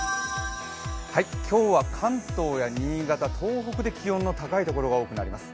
今日は関東や新潟、東北で気温の高いところが多くなります。